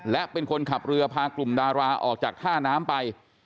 และเป็นคนขับเรือพากลุ่มดาราออกจากท่าน้ำไป